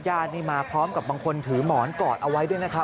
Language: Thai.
นี่มาพร้อมกับบางคนถือหมอนกอดเอาไว้ด้วยนะครับ